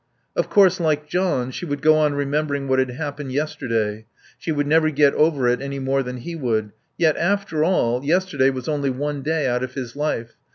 Of course, like John, she would go on remembering what had happened yesterday. She would never get over it any more than he would. Yet, after all, yesterday was only one day out of his life.